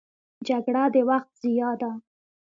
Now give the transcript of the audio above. جګړه د وخت ضیاع ده